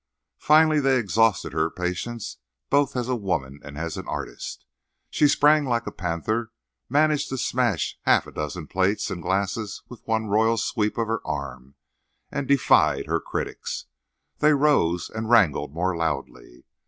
Finally they exhausted her patience both as a woman and an artist. She sprang up like a panther, managed to smash half a dozen plates and glasses with one royal sweep of her arm, and defied her critics. They rose and wrangled more loudly.